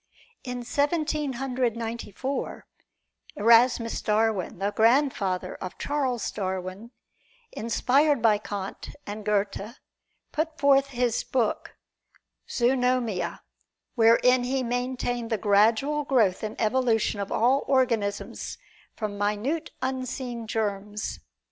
In Seventeen Hundred Ninety four, Erasmus Darwin, the grandfather of Charles Darwin, inspired by Kant and Goethe, put forth his book, "Zoonomia," wherein he maintained the gradual growth and evolution of all organisms from minute, unseen germs.